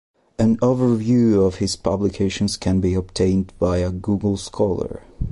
An overview of his publications can be obtained via Google Scholar.